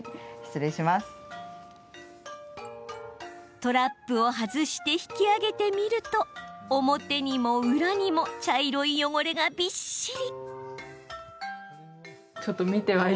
トラップを外して引き上げてみると表にも裏にも茶色い汚れがびっしり。